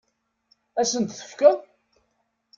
Ad asen-t-tefkeḍ?